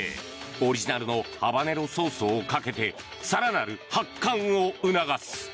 オリジナルのハバネロソースをかけて更なる発汗を促す。